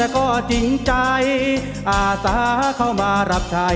คุณหมาร้อง